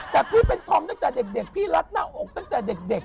แต่พี่เป็นธอมตั้งแต่เด็กพี่รัดหน้าอกตั้งแต่เด็ก